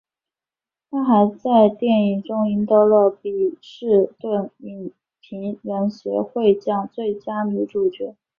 她还在电影中赢得了波士顿影评人协会奖最佳女主角。